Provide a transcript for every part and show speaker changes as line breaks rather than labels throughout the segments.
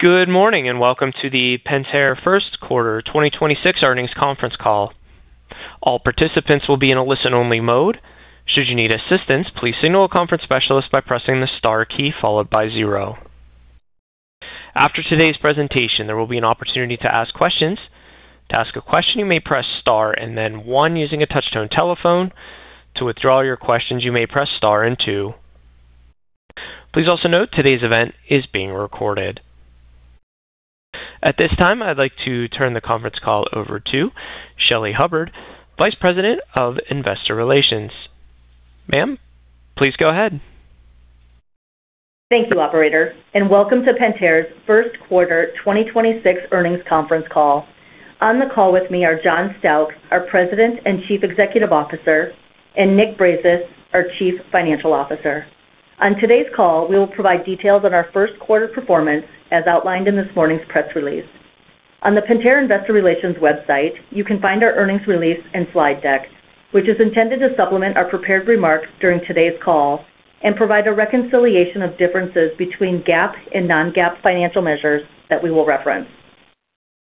Good morning, and welcome to the Pentair First Quarter 2026 Earnings Conference Call. All participants will be in a listen-only mode. Should you need assistance, please signal a conference specialist by pressing the star key followed by zero. After today's presentation, there will be an opportunity to ask questions. To ask a question, you may press star and then one using a touch-tone telephone. To withdraw your questions, you may press star and two. Please also note today's event is being recorded. At this time, I'd like to turn the conference call over to Shelly Hubbard, Vice President of Investor Relations. Ma'am, please go ahead.
Thank you, operator, and welcome to Pentair's First Quarter 2026 Earnings Conference Call. On the call with me are John Stauch, our President and Chief Executive Officer, and Nick Brazis, our Chief Financial Officer. On today's call, we will provide details on our first quarter performance as outlined in this morning's press release. On the Pentair Investor Relations website, you can find our earnings release and slide deck, which is intended to supplement our prepared remarks during today's call and provide a reconciliation of differences between GAAP and non-GAAP financial measures that we will reference.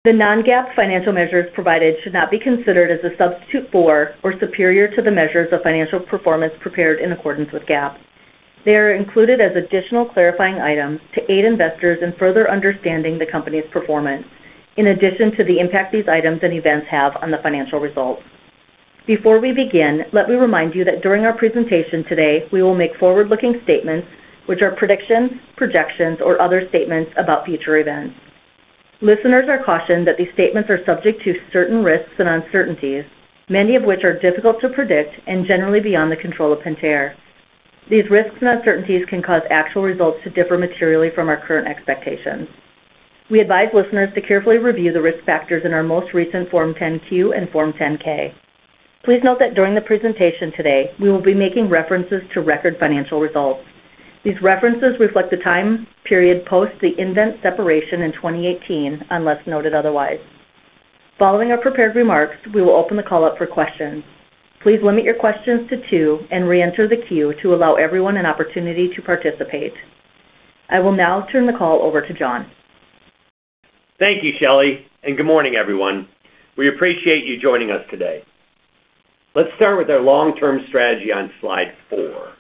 The non-GAAP financial measures provided should not be considered as a substitute for or superior to the measures of financial performance prepared in accordance with GAAP. They are included as additional clarifying items to aid investors in further understanding the company's performance in addition to the impact these items and events have on the financial results. Before we begin, let me remind you that during our presentation today, we will make forward-looking statements, which are predictions, projections, or other statements about future events. Listeners are cautioned that these statements are subject to certain risks and uncertainties, many of which are difficult to predict and generally beyond the control of Pentair. These risks and uncertainties can cause actual results to differ materially from our current expectations. We advise listeners to carefully review the risk factors in our most recent Form 10-Q and Form 10-K. Please note that during the presentation today, we will be making references to record financial results. These references reflect the time period post the nVent separation in 2018, unless noted otherwise. Following our prepared remarks, we will open the call up for questions. Please limit your questions to 2 and reenter the queue to allow everyone an opportunity to participate. I will now turn the call over to John.
Thank you, Shelly. Good morning, everyone. We appreciate you joining us today. Let's start with our long-term strategy on slide 4.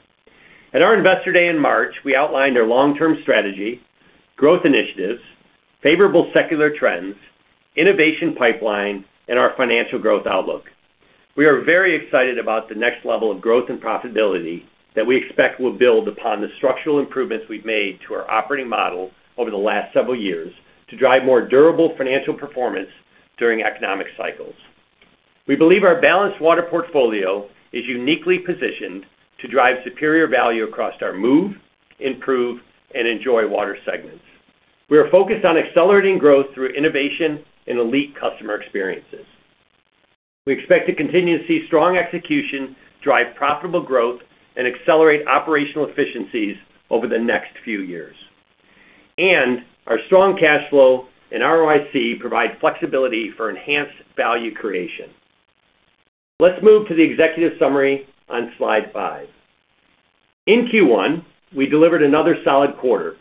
At our Investor Day in March, we outlined our long-term strategy, growth initiatives, favorable secular trends, innovation pipeline, and our financial growth outlook. We are very excited about the next level of growth and profitability that we expect will build upon the structural improvements we've made to our operating model over the last several years to drive more durable financial performance during economic cycles. We believe our balanced water portfolio is uniquely positioned to drive superior value across our move, improve, and enjoy water segments. We are focused on accelerating growth through innovation and elite customer experiences. We expect to continue to see strong execution, drive profitable growth, and accelerate operational efficiencies over the next few years. Our strong cash flow and ROIC provide flexibility for enhanced value creation. Let's move to the executive summary on slide 5. In Q1, we delivered another solid quarter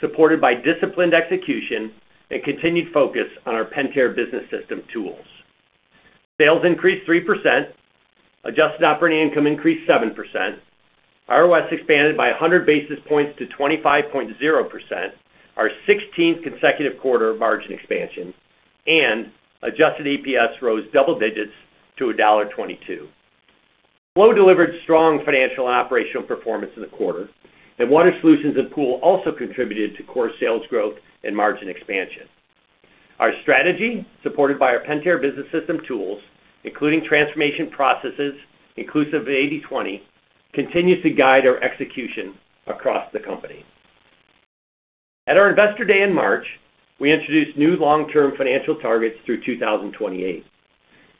supported by disciplined execution and continued focus on our Pentair Business System tools. Sales increased 3%, adjusted operating income increased 7%, ROS expanded by 100 basis points to 25.0%, our 16th consecutive quarter of margin expansion, and adjusted EPS rose double digits to $1.22. Flow delivered strong financial operational performance in the quarter, and Water Solutions and Pool also contributed to core sales growth and margin expansion. Our strategy, supported by our Pentair Business System tools, including transformation processes inclusive of 80/20, continues to guide our execution across the company. At our Investor Day in March, we introduced new long-term financial targets through 2028.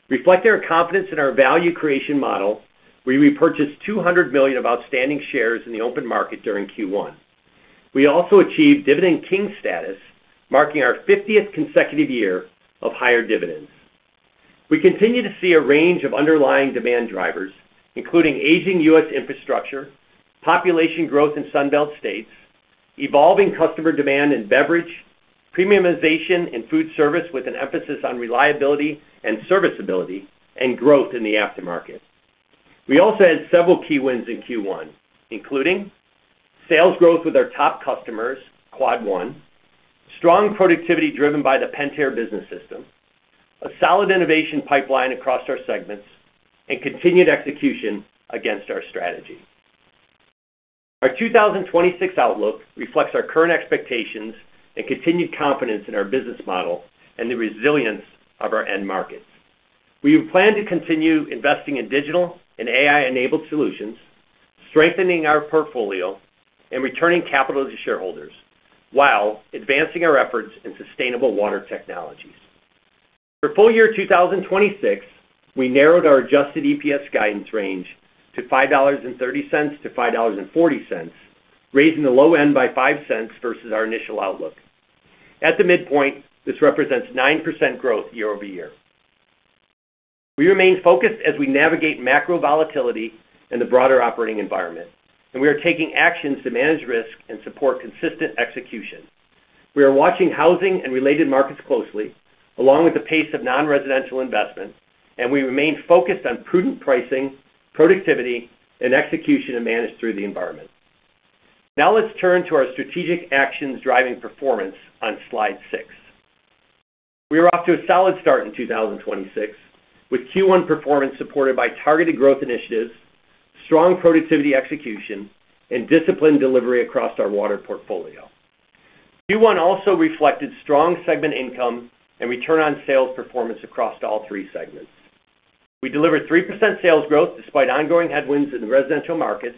Reflecting our confidence in our value creation model, we repurchased $200 million of outstanding shares in the open market during Q1. We also achieved Dividend King status, marking our 50th consecutive year of higher dividends. We continue to see a range of underlying demand drivers, including aging U.S. infrastructure, population growth in Sun Belt states, evolving customer demand in beverage, premiumization in food service with an emphasis on reliability and serviceability, and growth in the aftermarket. We also had several key wins in Q1, including sales growth with our top customers, Quad 1, strong productivity driven by the Pentair Business System, a solid innovation pipeline across our segments, and continued execution against our strategy. Our 2026 outlook reflects our current expectations and continued confidence in our business model and the resilience of our end markets. We plan to continue investing in digital and AI-enabled solutions, strengthening our portfolio and returning capital to shareholders while advancing our efforts in sustainable water technologies. For full year 2026, we narrowed our adjusted EPS guidance range to $5.30 to $5.40, raising the low end by $0.05 versus our initial outlook. At the midpoint, this represents 9% growth year-over-year. We remain focused as we navigate macro volatility in the broader operating environment, and we are taking actions to manage risk and support consistent execution. We are watching housing and related markets closely, along with the pace of non-residential investment, and we remain focused on prudent pricing, productivity, and execution to manage through the environment. Now let's turn to our strategic actions driving performance on Slide 6. We are off to a solid start in 2026, with Q1 performance supported by targeted growth initiatives, strong productivity execution, and disciplined delivery across our water portfolio. Q1 also reflected strong segment income and return on sales performance across all three segments. We delivered 3% sales growth despite ongoing headwinds in the residential markets,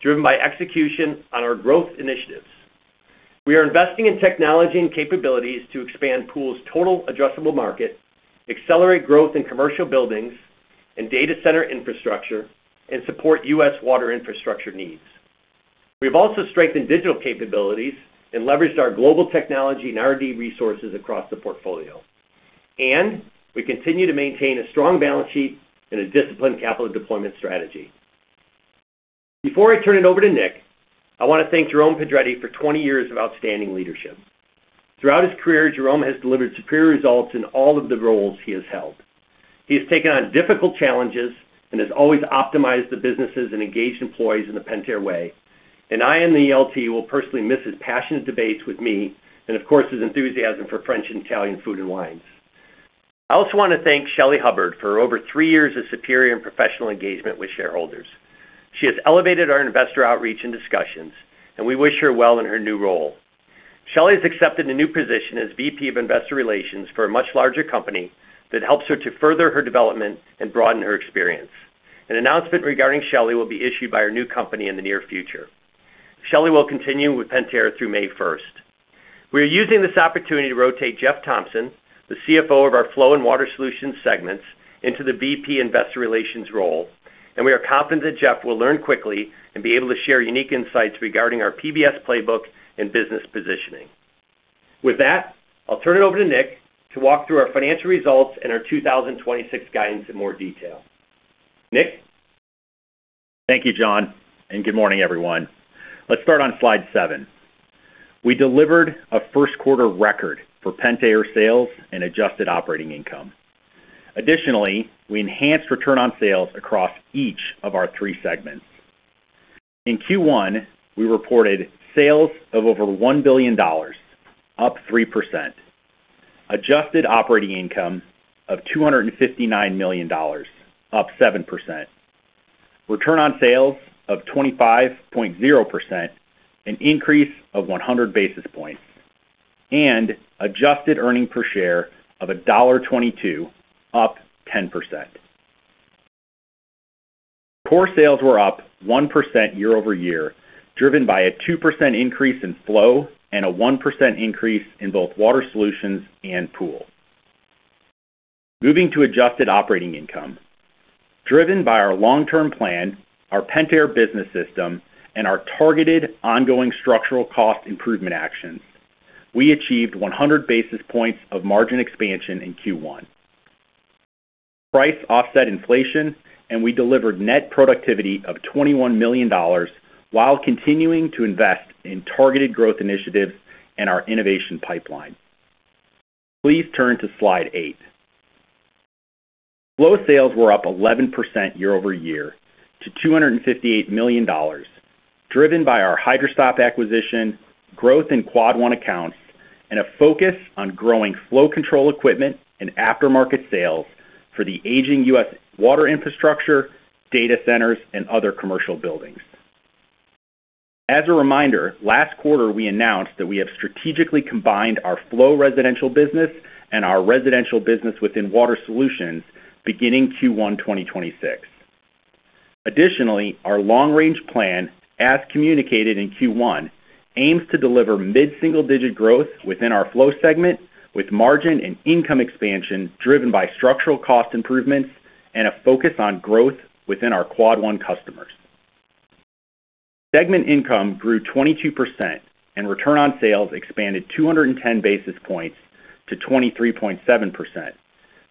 driven by execution on our growth initiatives. We are investing in technology and capabilities to expand Pool's total addressable market, accelerate growth in commercial buildings and data center infrastructure, and support U.S. water infrastructure needs. We've also strengthened digital capabilities and leveraged our global technology and R&D resources across the portfolio. We continue to maintain a strong balance sheet and a disciplined capital deployment strategy. Before I turn it over to Nick, I wanna thank Jerome Pedretti for 20 years of outstanding leadership. Throughout his career, Jerome has delivered superior results in all of the roles he has held. He has taken on difficult challenges and has always optimized the businesses and engaged employees in the Pentair way. I and the ELT will personally miss his passionate debates with me, and of course, his enthusiasm for French and Italian food and wines. I also wanna thank Shelly Hubbard for over three years of superior and professional engagement with shareholders. She has elevated our investor outreach and discussions, and we wish her well in her new role. Shelly has accepted a new position as VP of Investor Relations for a much larger company that helps her to further her development and broaden her experience. An announcement regarding Shelly will be issued by her new company in the near future. Shelly will continue with Pentair through May first. We are using this opportunity to rotate Jeff Thompson, the CFO of our Flow and Water Solutions segments, into the VP Investor Relations role, and we are confident that Jeff will learn quickly and be able to share unique insights regarding our PBS playbook and business positioning. With that, I'll turn it over to Nick to walk through our financial results and our 2026 guidance in more detail. Nick?
Thank you, John, and good morning, everyone. Let's start on slide 7. We delivered a first quarter record for Pentair sales and adjusted operating income. Additionally, we enhanced return on sales across each of our three segments. In Q1, we reported sales of over $1 billion, up 3%. Adjusted operating income of $259 million, up 7%. Return on sales of 25.0%, an increase of 100 basis points. Adjusted earnings per share of $1.22, up 10%. Core sales were up 1% year-over-year, driven by a 2% increase in Flow and a 1% increase in both Water Solutions and Pool. Moving to adjusted operating income. Driven by our long-term plan, our Pentair Business System, and our targeted ongoing structural cost improvement actions, we achieved 100 basis points of margin expansion in Q1. Price offset inflation, we delivered net productivity of $21 million while continuing to invest in targeted growth initiatives and our innovation pipeline. Please turn to slide 8. Flow sales were up 11% year-over-year to $258 million, driven by our Hydra-Stop acquisition, growth in Quad One accounts, and a focus on growing flow control equipment and aftermarket sales for the aging U.S. water infrastructure, data centers, and other commercial buildings. As a reminder, last quarter, we announced that we have strategically combined our flow residential business and our residential business within Water Solutions beginning Q1 2026. Additionally, our long-range plan, as communicated in Q1, aims to deliver mid-single-digit growth within our Flow segment with margin and income expansion driven by structural cost improvements and a focus on growth within our Quad One customers. Segment income grew 22%, and return on sales expanded 210 basis points to 23.7%,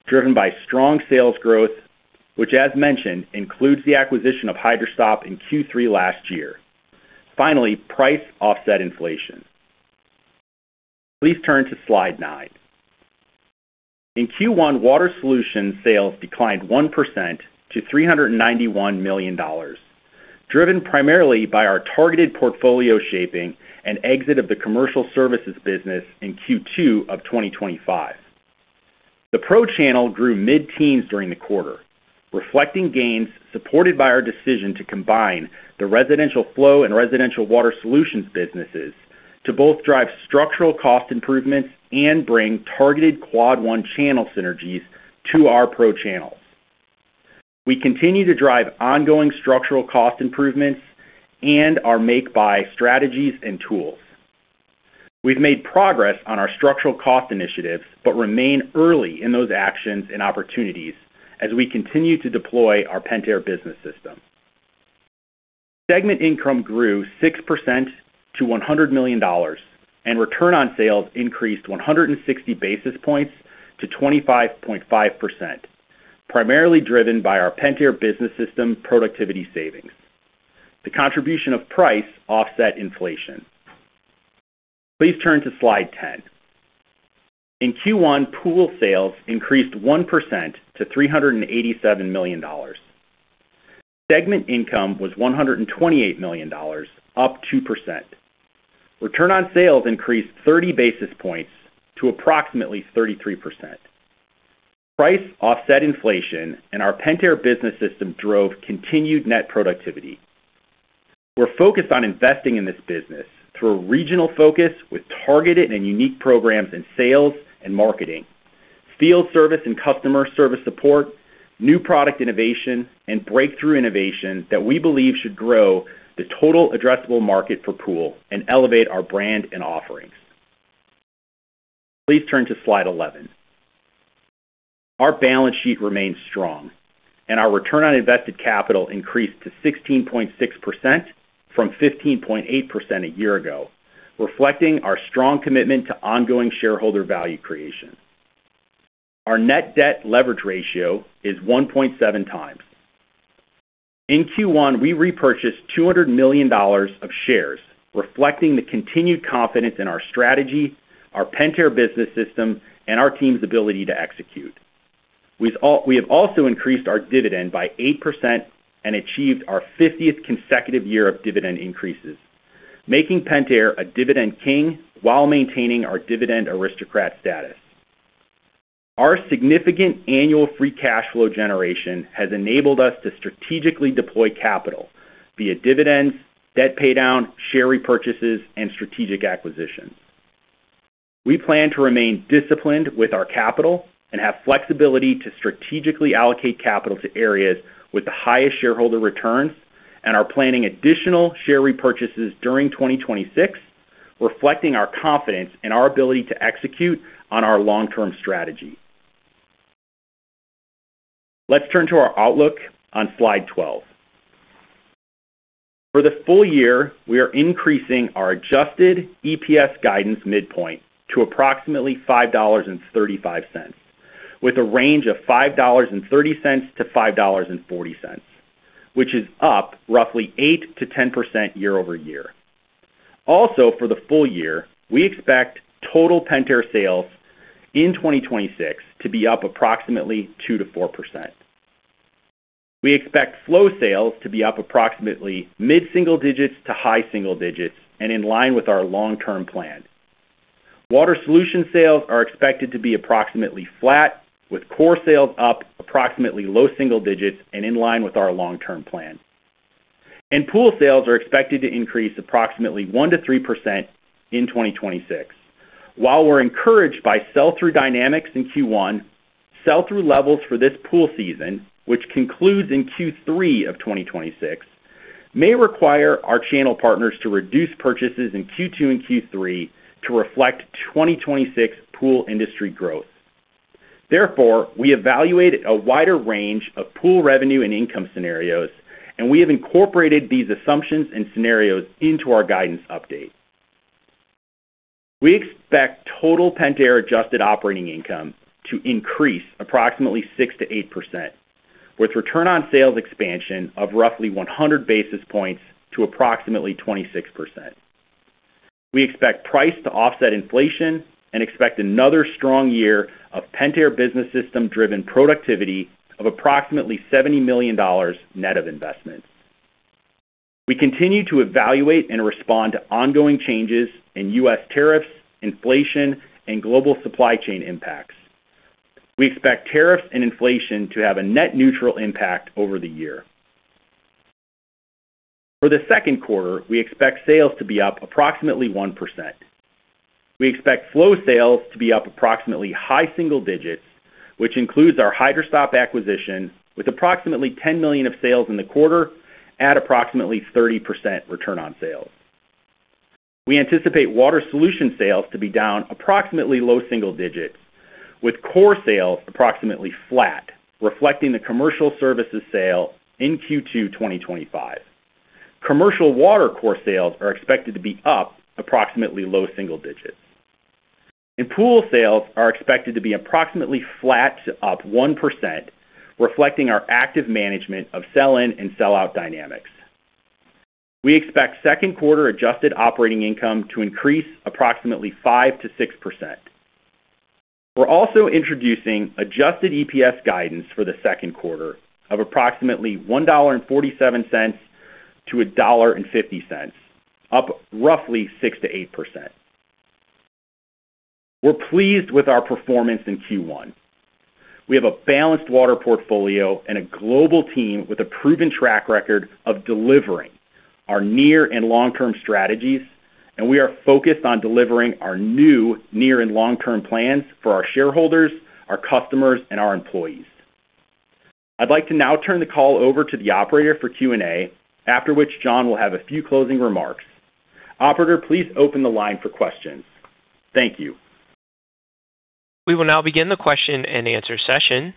driven by strong sales growth, which as mentioned, includes the acquisition of Hydra-Stop in Q3 last year. Finally, price offset inflation. Please turn to slide 9. In Q1, Water Solutions sales declined 1% to $391 million, driven primarily by our targeted portfolio shaping and exit of the commercial services business in Q2 of 2025. The pro channel grew mid-teens during the quarter, reflecting gains supported by our decision to combine the residential Flow and residential Water Solutions businesses to both drive structural cost improvements and bring targeted Quad One channel synergies to our pro channels. We continue to drive ongoing structural cost improvements and our make-by strategies and tools. We've made progress on our structural cost initiatives, but remain early in those actions and opportunities as we continue to deploy our Pentair Business System. Segment income grew 6% to $100 million, and return on sales increased 160 basis points to 25.5%, primarily driven by our Pentair Business System productivity savings. The contribution of price offset inflation. Please turn to slide 10. In Q1, Pool sales increased 1% to $387 million. Segment income was $128 million, up 2%. Return on sales increased 30 basis points to approximately 33%. Price offset inflation and our Pentair Business System drove continued net productivity. We're focused on investing in this business through a regional focus with targeted and unique programs in sales and marketing, field service and customer service support, new product innovation, and breakthrough innovation that we believe should grow the total addressable market for Pool and elevate our brand and offerings. Please turn to slide 11. Our balance sheet remains strong, and our return on invested capital increased to 16.6% from 15.8% a year ago, reflecting our strong commitment to ongoing shareholder value creation. Our net debt leverage ratio is 1.7 times. In Q1, we repurchased $200 million of shares, reflecting the continued confidence in our strategy, our Pentair Business System, and our team's ability to execute. We have also increased our dividend by 8% and achieved our 50th consecutive year of dividend increases, making Pentair a Dividend King while maintaining our Dividend Aristocrat status. Our significant annual free cash flow generation has enabled us to strategically deploy capital via dividends, debt pay down, share repurchases, and strategic acquisitions. We plan to remain disciplined with our capital and have flexibility to strategically allocate capital to areas with the highest shareholder returns and are planning additional share repurchases during 2026, reflecting our confidence in our ability to execute on our long-term strategy. Let's turn to our outlook on slide 12. For the full year, we are increasing our adjusted EPS guidance midpoint to approximately $5.35, with a range of $5.30-$5.40, which is up roughly 8%-10% year-over-year. For the full year, we expect total Pentair sales in 2026 to be up approximately 2%-4%. We expect Flow sales to be up approximately mid-single digits to high single digits and in line with our long-term plan. Water Solutions sales are expected to be approximately flat, with core sales up approximately low single digits and in line with our long-term plan. Pool sales are expected to increase approximately 1%-3% in 2026. While we're encouraged by sell-through dynamics in Q1, sell-through levels for this Pool season, which concludes in Q3 of 2026, may require our channel partners to reduce purchases in Q2 and Q3 to reflect 2026 Pool industry growth. Therefore, we evaluate a wider range of Pool revenue and income scenarios, and we have incorporated these assumptions and scenarios into our guidance update. We expect total Pentair adjusted operating income to increase approximately 6%-8%, with return on sales expansion of roughly 100 basis points to approximately 26%. We expect price to offset inflation and expect another strong year of Pentair Business System-driven productivity of approximately $70 million net of investment. We continue to evaluate and respond to ongoing changes in U.S. tariffs, inflation, and global supply chain impacts. We expect tariffs and inflation to have a net neutral impact over the year. For the second quarter, we expect sales to be up approximately 1%. We expect Flow sales to be up approximately high single digits, which includes our Hydra-Stop acquisition with approximately $10 million of sales in the quarter at approximately 30% return on sales. We anticipate Water Solutions sales to be down approximately low single digits, with core sales approximately flat, reflecting the commercial services sale in Q2 2025. Commercial water core sales are expected to be up approximately low single digits. Pool sales are expected to be approximately flat to up 1%, reflecting our active management of sell-in and sell-out dynamics. We expect second quarter adjusted operating income to increase approximately 5%-6%. We're also introducing adjusted EPS guidance for the second quarter of approximately $1.47 to $1.50, up roughly 6%-8%. We're pleased with our performance in Q1. We have a balanced water portfolio and a global team with a proven track record of delivering our near and long-term strategies. We are focused on delivering our new near and long-term plans for our shareholders, our customers, and our employees. I'd like to now turn the call over to the operator for Q&A, after which John will have a few closing remarks. Operator, please open the line for questions. Thank you.
We will now begin the question and answer session.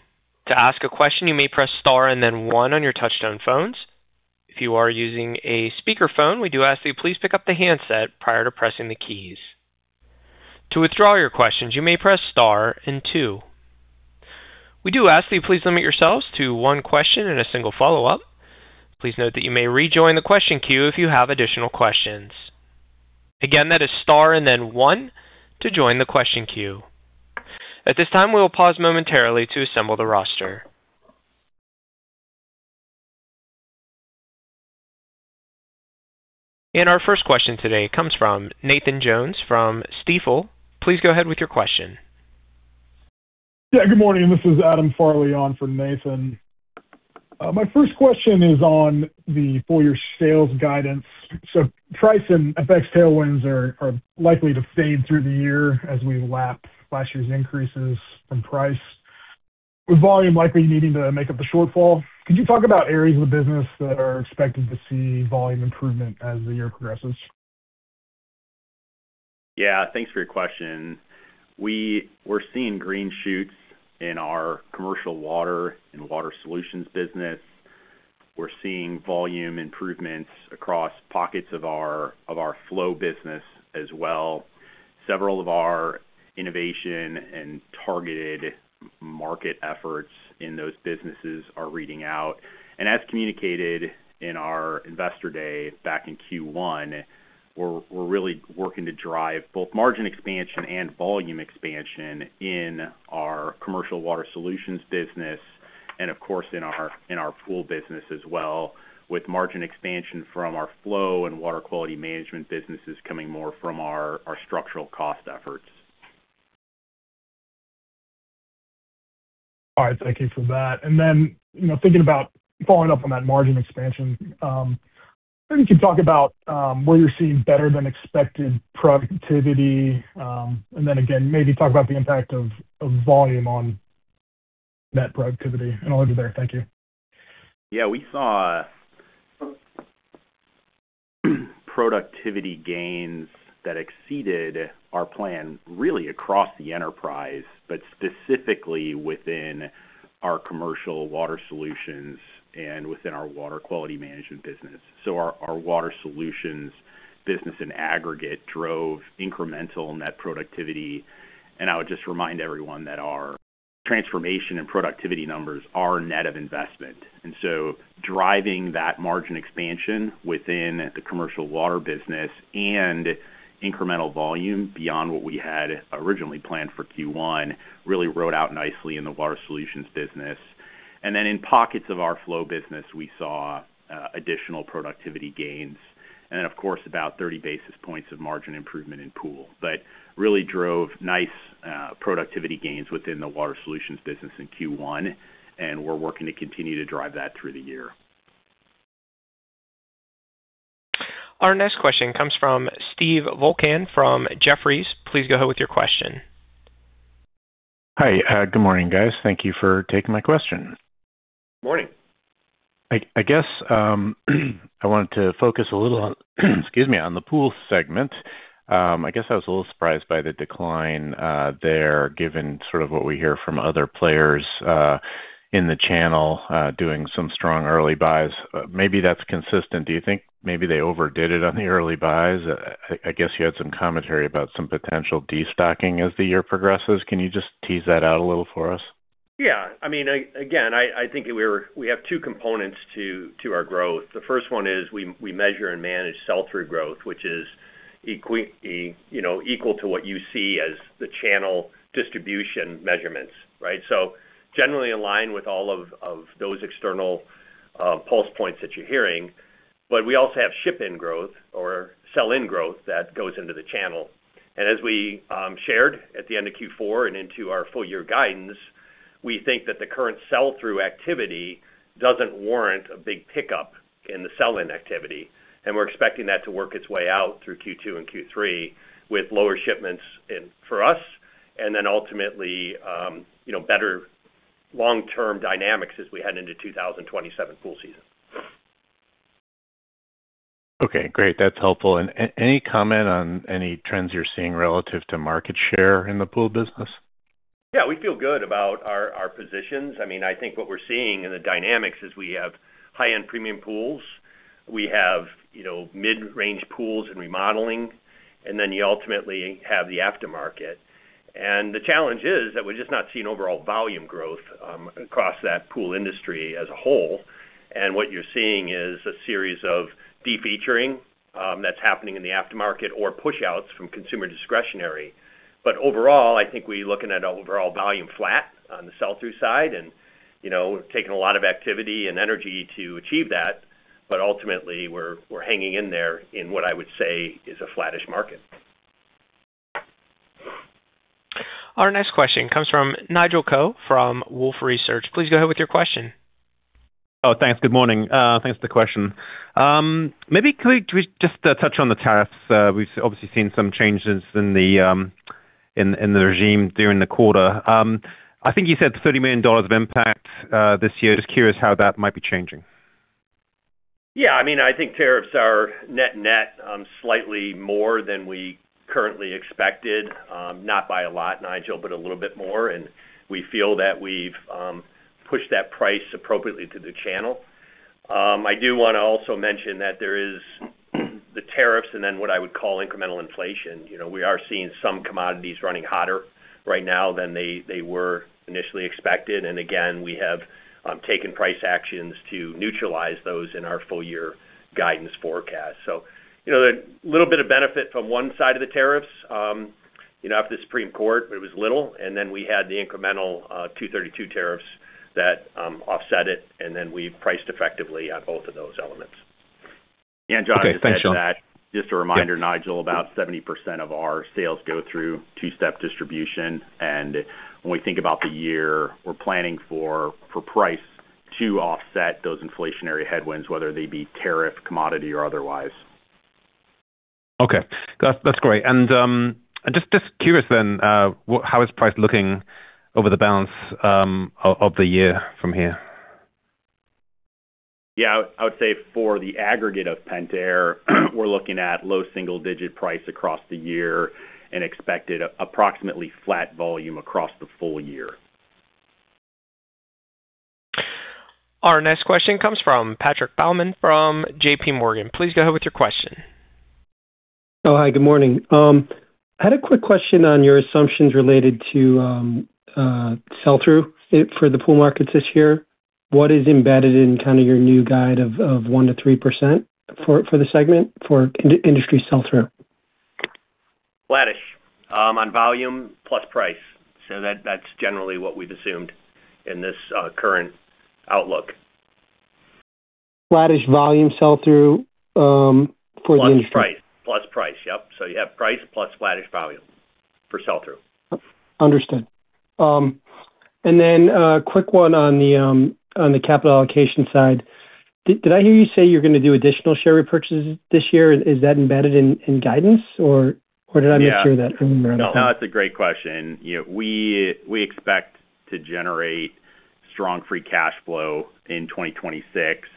To ask a question, you may press star and then 1 on your touchtone phones. If you are using a speakerphone, we do ask that you please pick up the handset prior to pressing the keys. To withdraw your questions, you may press star and two. We do ask that you please limit yourselves to one question and a single follow-up. Please note that you may rejoin the question queue if you have additional questions. Again, that is star and then one to join the question queue. At this time, we will pause momentarily to assemble the roster. Our first question today comes from Nathan Jones from Stifel. Please go ahead with your question.
Yeah, good morning. This is Adam Farley on for Nathan. My first question is on the full year sales guidance. Price and FX tailwinds are likely to fade through the year as we lap last year's increases in price, with volume likely needing to make up the shortfall. Could you talk about areas of the business that are expected to see volume improvement as the year progresses?
Yeah. Thanks for your question. We're seeing green shoots in our commercial water and Water Solutions business. We're seeing volume improvements across pockets of our Flow business as well. Several of our innovation and targeted market efforts in those businesses are reading out. As communicated in our investor day back in Q1, we're really working to drive both margin expansion and volume expansion in our commercial Water Solutions business and of course, in our Pool business as well, with margin expansion from our Flow and Water Quality Management businesses coming more from our structural cost efforts.
All right. Thank you for that. You know, thinking about following up on that margin expansion, can you talk about where you're seeing better than expected productivity? Again, maybe talk about the impact of volume on net productivity, and I'll leave it there. Thank you.
Yeah. We saw productivity gains that exceeded our plan really across the enterprise, but specifically within our Commercial Water Solutions and within our Water Quality Management business. Our Water Solutions business in aggregate drove incremental net productivity. I would just remind everyone that our transformation and productivity numbers are net of investment. Driving that margin expansion within the Commercial Water business and incremental volume beyond what we had originally planned for Q1 really rode out nicely in the Water Solutions business. In pockets of our Flow business, we saw additional productivity gains and of course about 30 basis points of margin improvement in Pool. Really drove nice productivity gains within the Water Solutions business in Q1, and we're working to continue to drive that through the year.
Our next question comes from Steve Volkmann from Jefferies. Please go ahead with your question.
Hi. Good morning, guys. Thank you for taking my question.
Morning.
I guess I wanted to focus a little on, excuse me, on the Pool segment. I guess I was a little surprised by the decline there, given sort of what we hear from other players in the channel doing some strong early buys. Maybe that's consistent. Do you think maybe they overdid it on the early buys? I guess you had some commentary about some potential destocking as the year progresses. Can you just tease that out a little for us?
Yeah. I mean, again, I think we have two components to our growth. The first one is we measure and manage sell-through growth, which is, you know, equal to what you see as the channel distribution measurements, right? Generally align with all of those external pulse points that you're hearing. We also have ship-in growth or sell-in growth that goes into the channel. As we shared at the end of Q4 and into our full year guidance, we think that the current sell-through activity doesn't warrant a big pickup in the sell-in activity. We're expecting that to work its way out through Q2 and Q3 with lower shipments in for us and then ultimately, you know, better long-term dynamics as we head into 2027 pool season.
Okay, great. That's helpful. Any comment on any trends you're seeing relative to market share in the Pool business?
Yeah, we feel good about our positions. I mean, I think what we're seeing in the dynamics is we have high-end premium pools. We have, you know, mid-range pools and remodeling, then you ultimately have the aftermarket. The challenge is that we're just not seeing overall volume growth across that pool industry as a whole. What you're seeing is a series of de-featuring that's happening in the aftermarket or push outs from consumer discretionary. Overall, I think we're looking at overall volume flat on the sell-through side and, you know, taking a lot of activity and energy to achieve that. Ultimately, we're hanging in there in what I would say is a flattish market.
Our next question comes from Nigel Coe from Wolfe Research. Please go ahead with your question.
Oh, thanks. Good morning. Thanks for the question. Maybe could we just touch on the tariffs? We've obviously seen some changes in the regime during the quarter. I think you said $30 million of impact this year. Just curious how that might be changing?
Yeah, I mean, I think tariffs are net net, slightly more than we currently expected. Not by a lot, Nigel Coe, but a little bit more, and we feel that we've pushed that price appropriately to the channel. I do wanna also mention that there is the tariffs and then what I would call incremental inflation. You know, we are seeing some commodities running hotter right now than they were initially expected. Again, we have taken price actions to neutralize those in our full year guidance forecast. You know, a little bit of benefit from one side of the tariffs, you know, after the Supreme Court, but it was little, and then we had the incremental Section 232 tariffs that offset it, and then we priced effectively on both of those elements.
Okay. Thanks, John.
Just a reminder, Nigel, about 70% of our sales go through two-step distribution. When we think about the year, we're planning for price to offset those inflationary headwinds, whether they be tariff, commodity or otherwise.
Okay. That's great. Just curious then, how is price looking over the balance of the year from here?
Yeah. I would say for the aggregate of Pentair, we're looking at low single-digit price across the year and expected approximately flat volume across the full year.
Our next question comes from Patrick Baumann from JPMorgan. Please go ahead with your question.
Oh, hi, good morning. I had a quick question on your assumptions related to sell-through for the Pool markets this year. What is embedded in kinda your new guide of 1%-3% for the segment for industry sell-through?
Flattish on volume plus price. That's generally what we've assumed in this current outlook.
Flattish volume sell-through for the industry.
Plus price. Plus price. Yep. You have price plus flattish volume for sell-through.
Understood. A quick one on the capital allocation side. Did I hear you say you're gonna do additional share repurchases this year? Is that embedded in guidance or did I mishear that earlier on the call?
Yeah. No, that's a great question. You know, we expect to generate strong free cash flow in 2026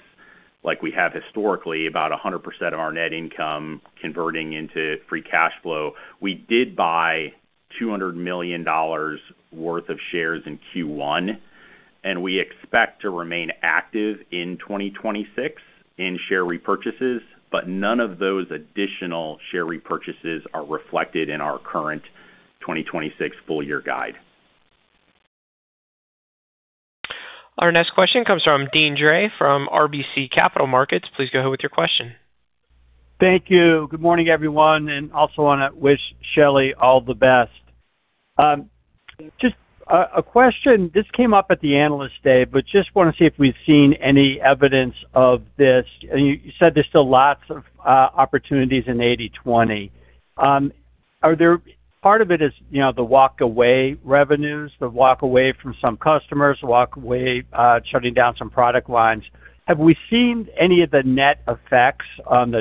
like we have historically, about 100% of our net income converting into free cash flow. We did buy $200 million worth of shares in Q1. We expect to remain active in 2026 in share repurchases, none of those additional share repurchases are reflected in our current 2026 full year guide.
Our next question comes from Deane Dray from RBC Capital Markets. Please go ahead with your question.
Thank you. Good morning, everyone, also want to wish Shelly all the best. Just a question. This came up at the Analyst Day, just want to see if we've seen any evidence of this. You said there's still lots of opportunities in 80/20. Part of it is, you know, the walk away revenues, the walk away from some customers, walk away, shutting down some product lines. Have we seen any of the net effects on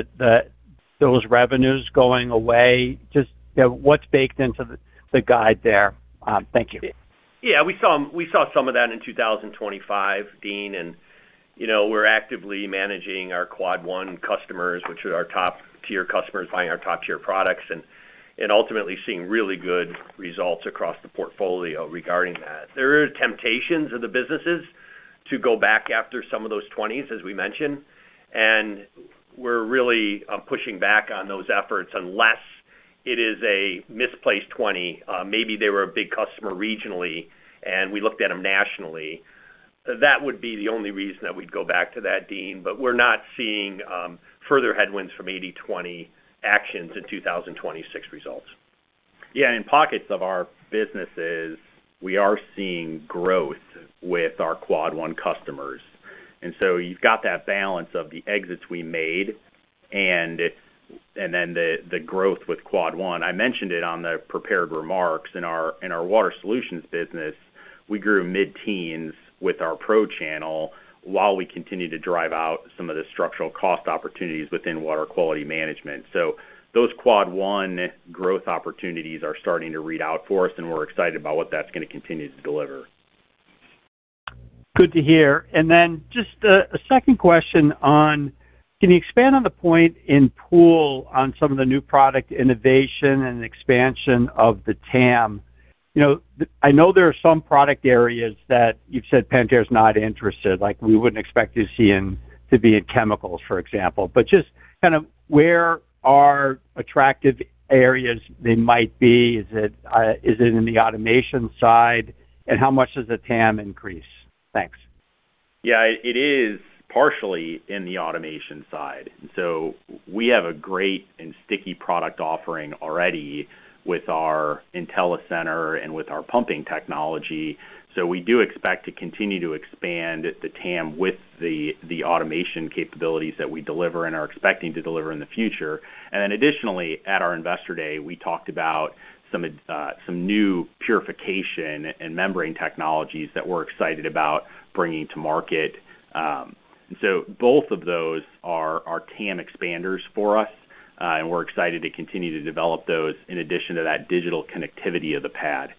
those revenues going away? Just, you know, what's baked into the guide there? Thank you.
Yeah. We saw some of that in 2025, Deane, and, you know, we're actively managing our Quad One customers, which are our top tier customers buying our top tier products and ultimately seeing really good results across the portfolio regarding that. There are temptations of the businesses to go back after some of those twenties, as we mentioned, and we're really pushing back on those efforts unless it is a misplaced twenty. Maybe they were a big customer regionally, and we looked at them nationally. That would be the only reason that we'd go back to that, Deane. We're not seeing further headwinds from 80/20 actions in 2026 results. Yeah, in pockets of our businesses, we are seeing growth with our Quad One customers. You've got that balance of the exits we made and then the growth with Quad One. I mentioned it on the prepared remarks. In our Water Solutions business, we grew mid-teens with our pro channel while we continued to drive out some of the structural cost opportunities within Water Quality Management. Those Quad One growth opportunities are starting to read out for us, and we're excited about what that's gonna continue to deliver.
Good to hear. Just a second question on the point in Pool on some of the new product innovation and expansion of the TAM? You know, I know there are some product areas that you've said Pentair is not interested, like we wouldn't expect to be in chemicals, for example. Just kind of where are attractive areas they might be? Is it, is it in the automation side? How much does the TAM increase? Thanks.
It is partially in the automation side. We have a great and sticky product offering already with our IntelliCenter and with our pumping technology. We do expect to continue to expand the TAM with the automation capabilities that we deliver and are expecting to deliver in the future. Additionally, at our Investor Day, we talked about some new purification and membrane technologies that we're excited about bringing to market. Both of those are TAM expanders for us, and we're excited to continue to develop those in addition to that digital connectivity of the pad.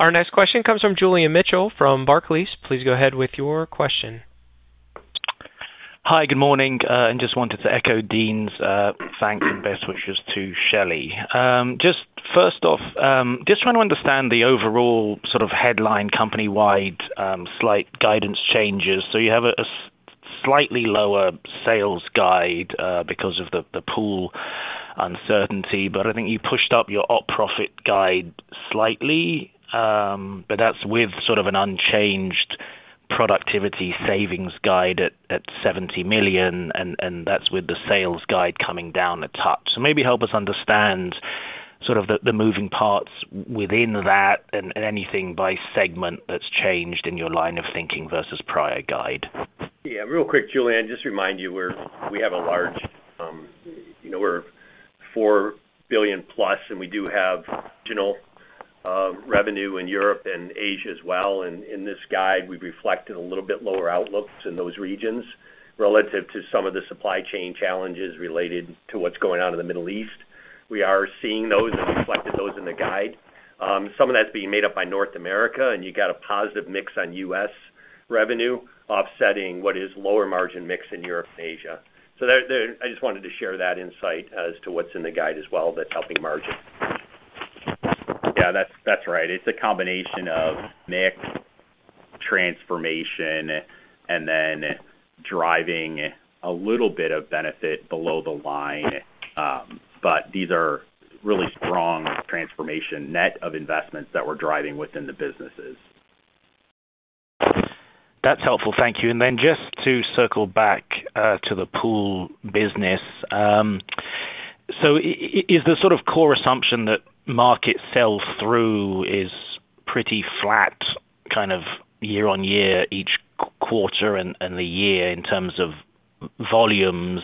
Our next question comes from Julian Mitchell from Barclays. Please go ahead with your question.
Hi, good morning. Just wanted to echo Deane's thanks and best wishes to Shelly. Just first off, just trying to understand the overall sort of headline company-wide, slight guidance changes. You have a slightly lower sales guide because of the Pool uncertainty, but I think you pushed up your op profit guide slightly, but that's with sort of an unchanged productivity savings guide at $70 million, and that's with the sales guide coming down a touch. Maybe help us understand sort of the moving parts within that and anything by segment that's changed in your line of thinking versus prior guide.
Yeah. Real quick, Julian, just remind you we have a large, you know, we are $4 billion plus, we do have general revenue in Europe and Asia as well. In this guide, we've reflected a little bit lower outlooks in those regions relative to some of the supply chain challenges related to what's going on in the Middle East. We are seeing those and reflected those in the guide. Some of that's being made up by North America, and you got a positive mix on U.S. revenue offsetting what is lower margin mix in Europe and Asia. I just wanted to share that insight as to what's in the guide as well that's helping margin. Yeah, that's right. It's a combination of mix, transformation, and then driving a little bit of benefit below the line. These are really strong transformation net of investments that we're driving within the businesses.
That's helpful. Thank you. Then just to circle back to the Pool business. So is the sort of core assumption that market sell-through is pretty flat kind of year-on-year each quarter and the year in terms of volumes,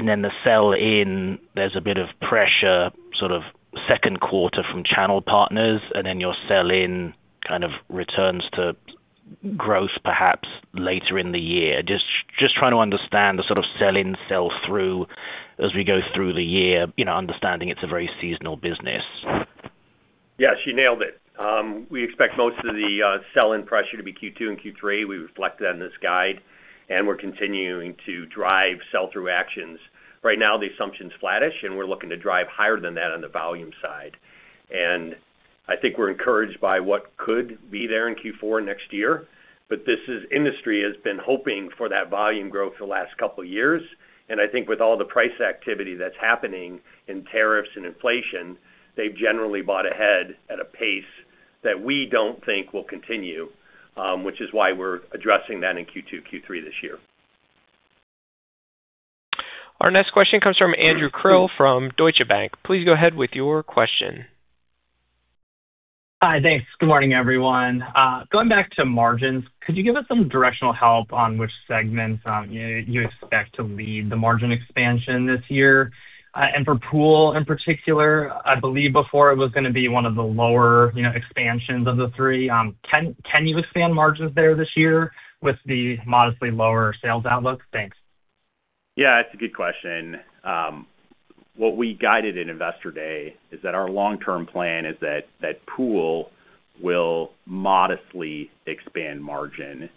then the sell in, there's a bit of pressure sort of second quarter from channel partners, and then your sell in kind of returns to growth perhaps later in the year? Just trying to understand the sort of sell in, sell through as we go through the year, you know, understanding it's a very seasonal business.
Yeah, you nailed it. We expect most of the sell-in pressure to be Q2 and Q3. We reflected that in this guide, and we're continuing to drive sell-through actions. Right now, the assumption's flattish, and we're looking to drive higher than that on the volume side. I think we're encouraged by what could be there in Q4 next year. Industry has been hoping for that volume growth for the last couple years, I think with all the price activity that's happening in tariffs and inflation, they've generally bought ahead at a pace that we don't think will continue, which is why we're addressing that in Q2, Q3 this year.
Our next question comes from Andrew Krill from Deutsche Bank. Please go ahead with your question.
Hi. Thanks. Good morning, everyone. Going back to margins, could you give us some directional help on which segments you expect to lead the margin expansion this year? For Pool in particular, I believe before it was going to be one of the lower, you know, expansions of the three. Can you expand margins there this year with the modestly lower sales outlook? Thanks.
Yeah, it's a good question. What we guided in Investor Day is that our long-term plan is that that Pool will modestly expand margin,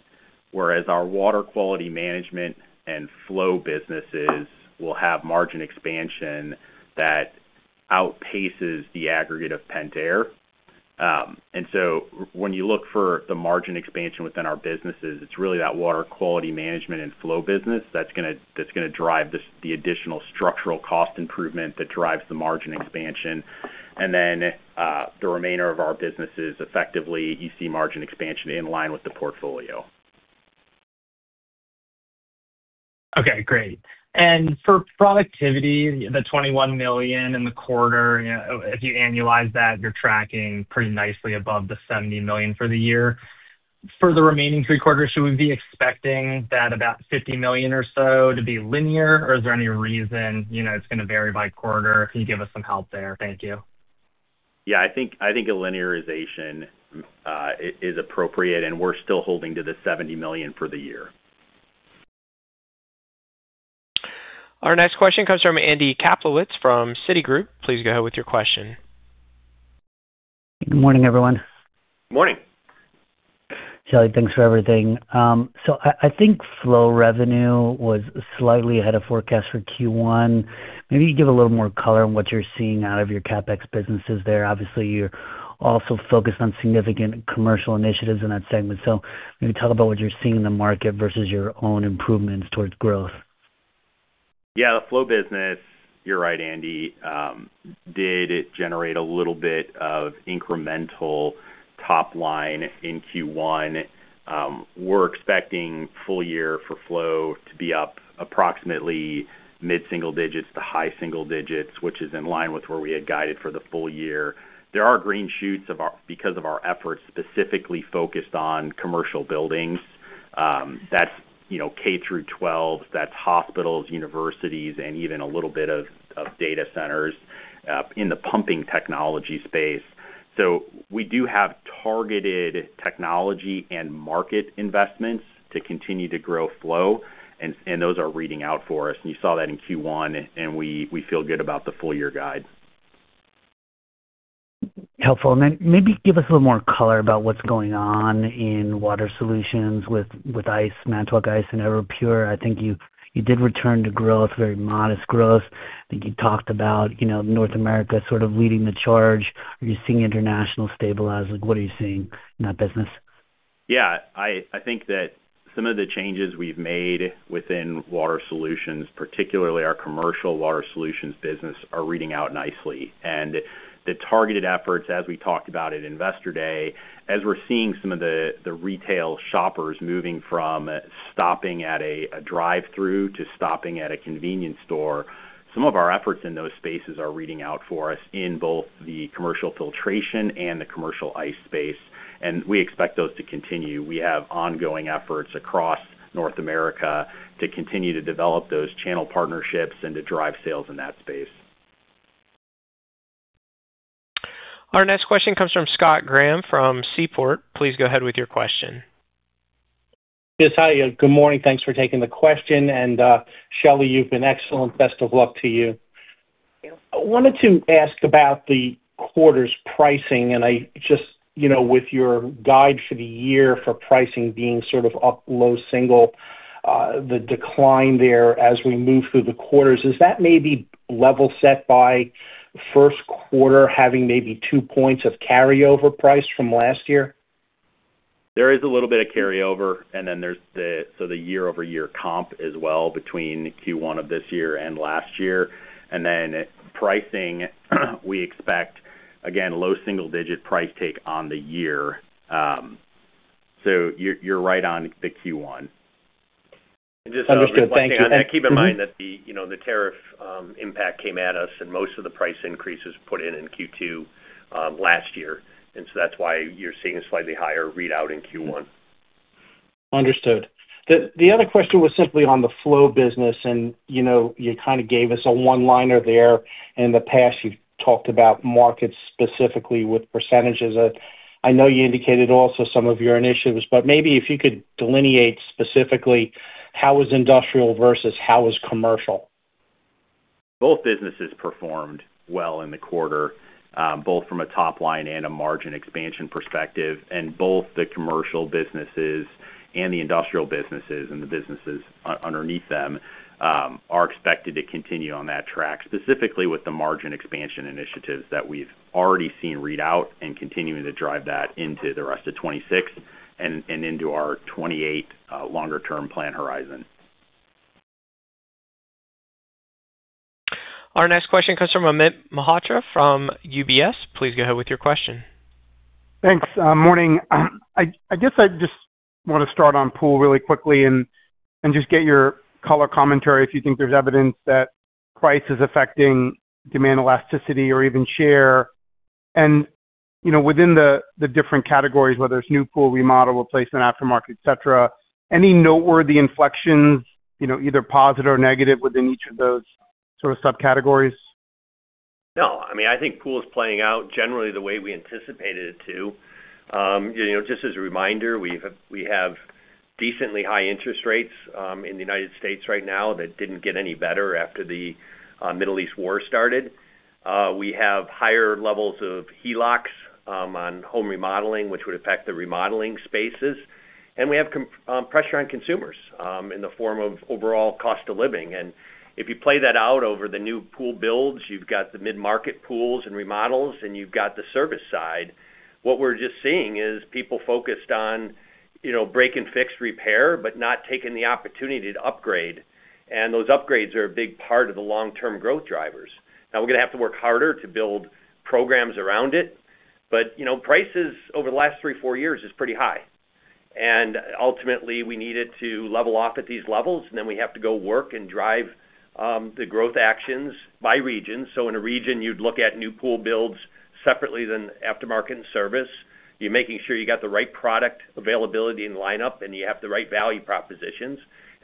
whereas our Water Quality Management and Flow businesses will have margin expansion that outpaces the aggregate of Pentair. When you look for the margin expansion within our businesses, it's really that Water Quality Management and Flow business that's gonna drive this, the additional structural cost improvement that drives the margin expansion. The remainder of our businesses, effectively, you see margin expansion in line with the portfolio.
Okay, great. For productivity, the $21 million in the quarter, you know, if you annualize that, you're tracking pretty nicely above the $70 million for the year. For the remaining three quarters, should we be expecting that about $50 million or so to be linear, or is there any reason, you know, it's gonna vary by quarter? Can you give us some help there? Thank you.
Yeah, I think a linearization is appropriate, and we're still holding to the $70 million for the year.
Our next question comes from Andrew Kaplowitz from Citigroup. Please go ahead with your question.
Good morning, everyone.
Morning.
Shelly, thanks for everything. I think Flow revenue was slightly ahead of forecast for Q1. Maybe you could give a little more color on what you're seeing out of your CapEx businesses there. Obviously, you're also focused on significant commercial initiatives in that segment. Maybe tell about what you're seeing in the market versus your own improvements towards growth.
Yeah. The Flow business, you're right, Andy, did generate a little bit of incremental top line in Q1. We're expecting full year for Flow to be up approximately mid-single digits to high single digits, which is in line with where we had guided for the full year. There are green shoots because of our efforts specifically focused on commercial buildings. That's, you know, K-12, that's hospitals, universities, and even a little bit of data centers in the pumping technology space. We do have targeted technology and market investments to continue to grow Flow, and those are reading out for us. You saw that in Q1, and we feel good about the full year guide.
Helpful. Maybe give us a little more color about what's going on in Water Solutions with ice, Manitowoc Ice and Everpure. I think you did return to growth, very modest growth. I think you talked about, you know, North America sort of leading the charge. Are you seeing international stabilize? Like, what are you seeing in that business?
Yeah. I think that some of the changes we've made within Water Solutions, particularly our commercial Water Solutions business, are reading out nicely. The targeted efforts, as we talked about at Investor Day, as we're seeing some of the retail shoppers moving from stopping at a drive-through to stopping at a convenience store, some of our efforts in those spaces are reading out for us in both the commercial filtration and the commercial ice space, and we expect those to continue. We have ongoing efforts across North America to continue to develop those channel partnerships and to drive sales in that space.
Our next question comes from Scott Graham from Seaport. Please go ahead with your question.
Yes. Hi, good morning. Thanks for taking the question. Shelly, you've been excellent. Best of luck to you.
Thank you.
I wanted to ask about the quarter's pricing, I just, you know, with your guide for the year for pricing being sort of up low single, the decline there as we move through the quarters, is that maybe level set by first quarter having maybe two points of carryover price from last year?
There is a little bit of carryover, and then there's the year-over-year comp as well between Q1 of this year and last year. Pricing, we expect, again, low single digit price take on the year. You're right on the Q1.
Understood. Thanks.
Keep in mind that the, you know, the tariff impact came at us and most of the price increase is put in in Q2, last year. That's why you're seeing a slightly higher readout in Q1.
Understood. The other question was simply on the Flow business, and, you know, you kind of gave us a one-liner there. In the past, you've talked about markets specifically with %. I know you indicated also some of your initiatives, but maybe if you could delineate specifically how was industrial versus how was commercial.
Both businesses performed well in the quarter, both from a top line and a margin expansion perspective, and both the commercial businesses and the industrial businesses and the businesses underneath them are expected to continue on that track, specifically with the margin expansion initiatives that we've already seen read out and continuing to drive that into the rest of 2026 and into our 2028 longer term plan horizon.
Our next question comes from Amit Mehrotra from UBS. Please go ahead with your question.
Thanks. Morning. I guess I just want to start on Pool really quickly and just get your color commentary if you think there's evidence that price is affecting demand elasticity or even share. Within the different categories, whether it's new pool, remodel, replacement, aftermarket, et cetera, any noteworthy inflections, you know, either positive or negative within each of those sort of subcategories?
No. I mean, I think Pool is playing out generally the way we anticipated it to. You know, just as a reminder, we have, we have decently high interest rates in the United States right now that didn't get any better after the Middle East war started. We have higher levels of HELOCs on home remodeling, which would affect the remodeling spaces. We have pressure on consumers in the form of overall cost of living. If you play that out over the new pool builds, you've got the mid-market pools and remodels, and you've got the service side. What we're just seeing is people focused on, you know, break and fix repair, but not taking the opportunity to upgrade. Those upgrades are a big part of the long-term growth drivers. Now we're gonna have to work harder to build programs around it, but, you know, prices over the last three, four years is pretty high. Ultimately, we needed to level off at these levels, and then we have to go work and drive the growth actions by region. In a region, you'd look at new Pool builds separately than aftermarket and service. You're making sure you got the right product availability and lineup, and you have the right value propositions.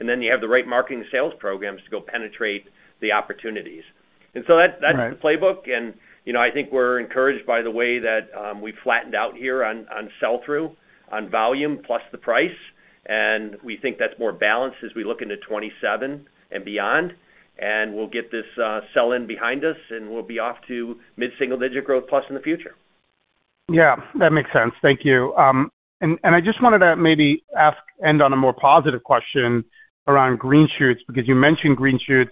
Then you have the right marketing sales programs to go penetrate the opportunities.
Right.
That's the playbook. You know, I think we're encouraged by the way that we've flattened out here on sell-through, on volume plus the price. We think that's more balanced as we look into 2027 and beyond. We'll get this sell-in behind us, and we'll be off to mid-single-digit growth plus in the future.
Yeah, that makes sense. Thank you. I just wanted to maybe end on a more positive question around green shoots, because you mentioned green shoots,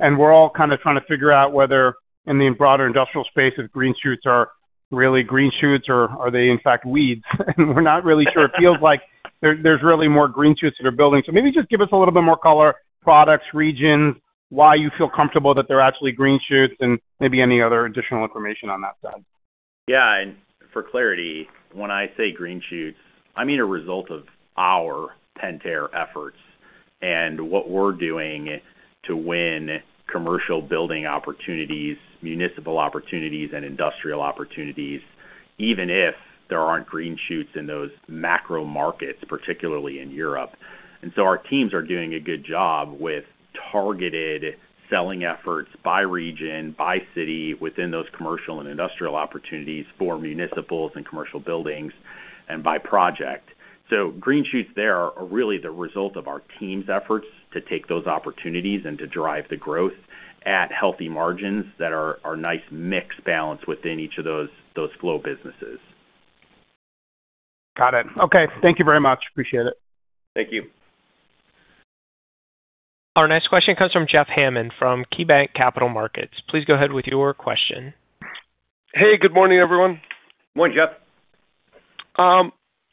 and we're all kind of trying to figure out whether in the broader industrial space if green shoots are really green shoots or are they in fact weeds? We're not really sure. It feels like there's really more green shoots that are building. Maybe just give us a little bit more color, products, regions, why you feel comfortable that they're actually green shoots, and maybe any other additional information on that side.
Yeah. For clarity, when I say green shoots, I mean a result of our Pentair efforts and what we're doing to win commercial building opportunities, municipal opportunities, and industrial opportunities, even if there aren't green shoots in those macro markets, particularly in Europe. Our teams are doing a good job with targeted selling efforts by region, by city, within those commercial and industrial opportunities for municipals and commercial buildings and by project. Green shoots there are really the result of our team's efforts to take those opportunities and to drive the growth at healthy margins that are nice mix balance within each of those Flow businesses.
Got it. Okay. Thank you very much. Appreciate it.
Thank you.
Our next question comes from Jeff Hammond from KeyBanc Capital Markets. Please go ahead with your question.
Hey, good morning, everyone.
Morning, Jeff.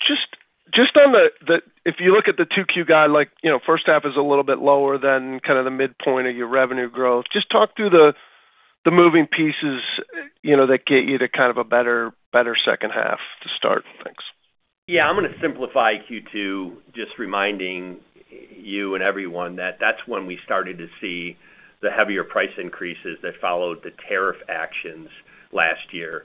Just on the 2Q guide, you know, first half is a little bit lower than kind of the midpoint of your revenue growth. Just talk through the moving pieces, you know, that get you to kind of a better second half to start. Thanks.
Yeah. I'm gonna simplify Q2, just reminding you and everyone that that's when we started to see the heavier price increases that followed the tariff actions last year.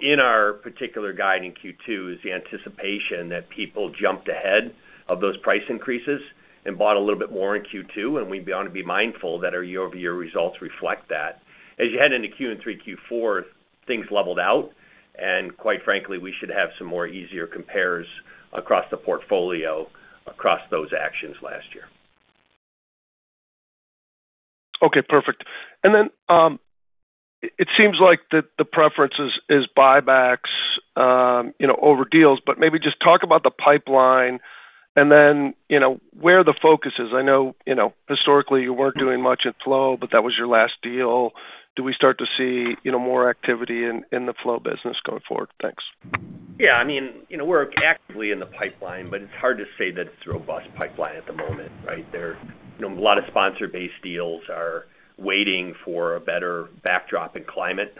In our particular guide in Q2 is the anticipation that people jumped ahead of those price increases and bought a little bit more in Q2, and we'd want to be mindful that our year-over-year results reflect that. As you head into Q3 and Q4, things leveled out, and quite frankly, we should have some more easier compares across the portfolio across those actions last year.
Okay, perfect. Then it seems like the preference is buybacks over deals, but maybe just talk about the pipeline and then where the focus is. I know historically you weren't doing much in Flow, but that was your last deal. Do we start to see more activity in the Flow business going forward? Thanks.
I mean, you know, we're actively in the pipeline, but it's hard to say that it's a robust pipeline at the moment, right? There, you know, a lot of sponsor-based deals are waiting for a better backdrop and climate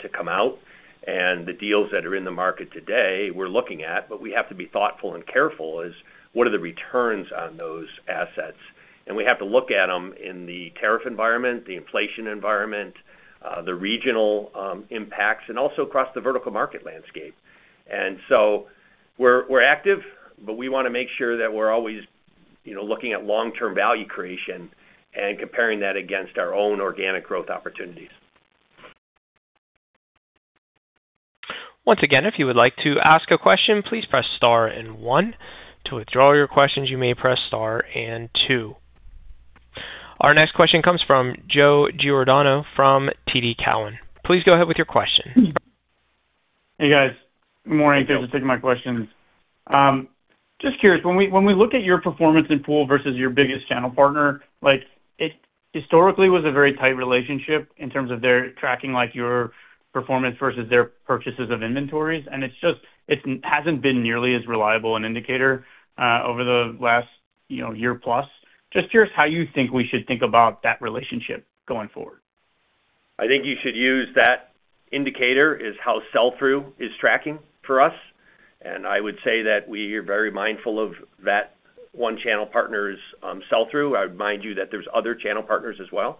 to come out. The deals that are in the market today, we're looking at, but we have to be thoughtful and careful is what are the returns on those assets. We have to look at them in the tariff environment, the inflation environment, the regional impacts, and also across the vertical market landscape. We're active, but we wanna make sure that we're always, you know, looking at long-term value creation and comparing that against our own organic growth opportunities.
Once again, if you would like to ask a question, please press star and one. To withdraw your questions, you may press star and two. Our next question comes from Joe Giordano from TD Cowen. Please go ahead with your question.
Hey, guys. Good morning.
Hey, Joe.
Thanks for taking my questions. Just curious, when we look at your performance in Pool versus your biggest channel partner, like it historically was a very tight relationship in terms of their tracking, like your performance versus their purchases of inventories, it hasn't been nearly as reliable an indicator over the last, you know, year plus. Just curious how you think we should think about that relationship going forward.
I think you should use that indicator is how sell-through is tracking for us. I would say that we are very mindful of that one channel partner's sell-through. I remind you that there's other channel partners as well.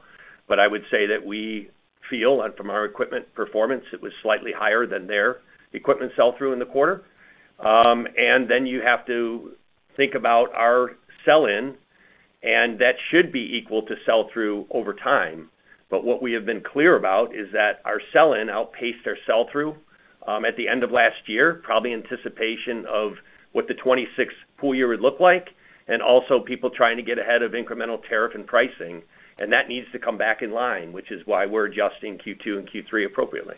I would say that we feel, and from our equipment performance, it was slightly higher than their equipment sell-through in the quarter. You have to think about our sell-in, that should be equal to sell-through over time. What we have been clear about is that our sell-in outpaced our sell-through at the end of last year, probably anticipation of what the 2026 Pool year would look like, and also people trying to get ahead of incremental tariff and pricing. That needs to come back in line, which is why we're adjusting Q2 and Q3 appropriately.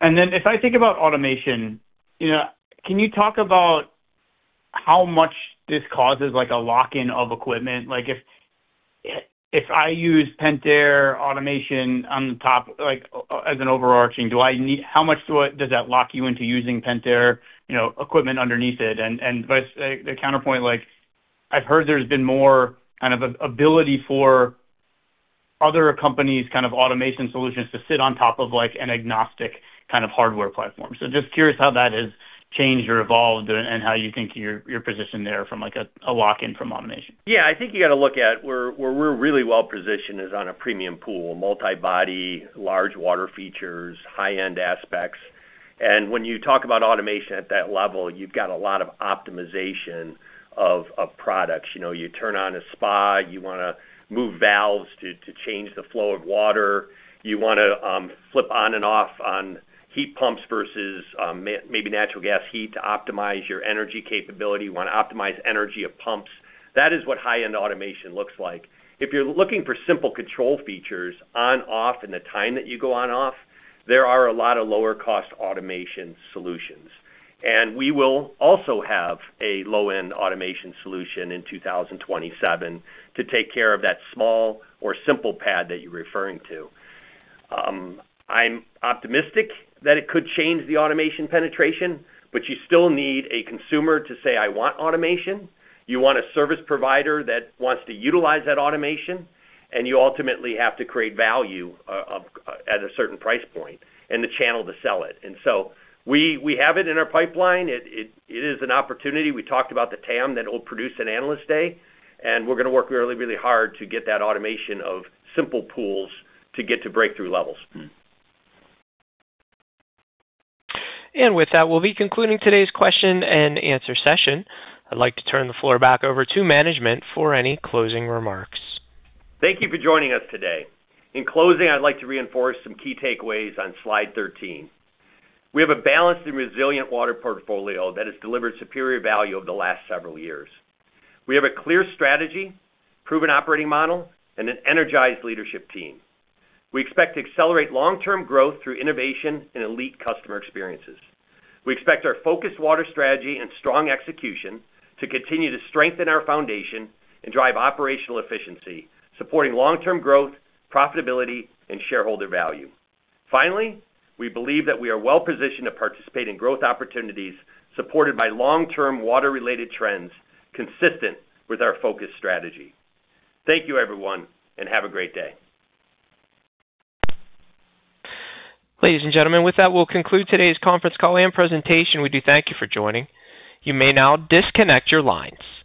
If I think about automation, you know, can you talk about how much this causes like a lock-in of equipment? Like if I use Pentair automation on top, like as an overarching, how much does that lock you into using Pentair, you know, equipment underneath it? Vice-- the counterpoint, like I've heard there's been more kind of a ability for other companies, kind of automation solutions to sit on top of like an agnostic kind of hardware platform. Just curious how that has changed or evolved and how you think your position there from like a lock-in from automation?
Yeah. I think you got to look at where we're really well positioned is on a premium Pool, multi-body, large water features, high-end aspects. When you talk about automation at that level, you've got a lot of optimization of products. You know, you wanna move valves to change the flow of water. You wanna flip on and off on heat pumps versus maybe natural gas heat to optimize your energy capability. You wanna optimize energy of pumps. That is what high-end automation looks like. If you're looking for simple control features, on, off, and the time that you go on, off, there are a lot of lower cost automation solutions. We will also have a low-end automation solution in 2027 to take care of that small or simple pad that you're referring to. I'm optimistic that it could change the automation penetration, but you still need a consumer to say, "I want automation." You want a service provider that wants to utilize that automation, and you ultimately have to create value at a certain price point and the channel to sell it. We have it in our pipeline. It is an opportunity. We talked about the TAM that it will produce an analyst day, and we're gonna work really, really hard to get that automation of simple pools to get to breakthrough levels.
With that, we'll be concluding today's question and answer session. I'd like to turn the floor back over to management for any closing remarks.
Thank you for joining us today. In closing, I'd like to reinforce some key takeaways on slide 13. We have a balanced and resilient water portfolio that has delivered superior value over the last several years. We have a clear strategy, proven operating model, and an energized leadership team. We expect to accelerate long-term growth through innovation and elite customer experiences. We expect our focused water strategy and strong execution to continue to strengthen our foundation and drive operational efficiency, supporting long-term growth, profitability, and shareholder value. Finally, we believe that we are well-positioned to participate in growth opportunities supported by long-term water-related trends consistent with our focus strategy. Thank you, everyone, and have a great day.
Ladies and gentlemen, with that, we'll conclude today's conference call and presentation. We do thank you for joining. You may now disconnect your lines.